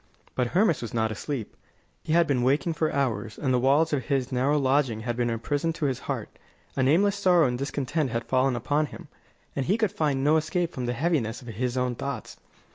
But Hermas was not asleep. He had been waking for hours, and the walls of his narrow lodging had been a prison to his heart. A nameless sorrow and discontent had fallen upon him, and he could find no escape from the heaviness of his own thoughts.